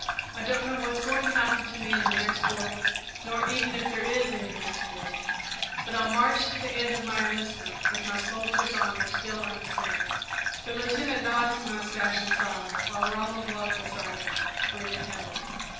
I don't know what's going to happen to me in the next world, nor even if there is any next world; but I'll march to the end of my enlistment with my soldier's honour still unstained." The Lieutenant gnawed his mustache in silence while Ronald walked beside him, breathing heavily.